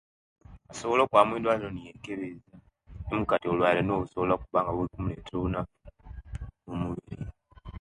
Asobola okwaba mwidwaliro neyekebela omukatio bulwaire nibwo okuba nga bumuletera obunafu mumubiri